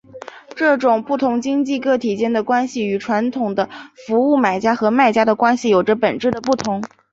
这种不同经济个体间的关系与传统的服务买家和卖家的关系有着本质的不同。